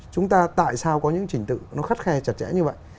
chúng ta tại sao có những trình tự nó khắt khe chặt chẽ như vậy